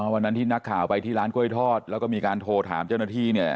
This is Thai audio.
วันนั้นที่นักข่าวไปที่ร้านกล้วยทอดแล้วก็มีการโทรถามเจ้าหน้าที่เนี่ย